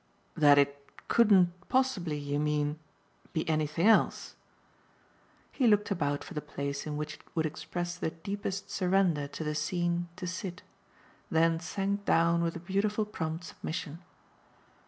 "That it couldn't possibly, you mean, be anything else?" He looked about for the place in which it would express the deepest surrender to the scene to sit then sank down with a beautiful prompt submission.